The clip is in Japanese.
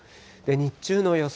日中の予想